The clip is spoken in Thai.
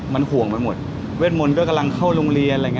มันห่วงมาหมดเวทมนตร์กำลังเข้าโรงเรียน